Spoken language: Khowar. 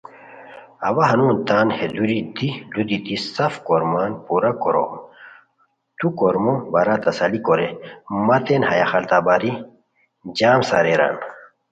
اوا ہنون تان ہے دُوری دی لو دیتی سف کورمان پورا کوروم تو کورمو بارا تسلی کورے مہ تین ہیہ خیلتہ باری جم ساریران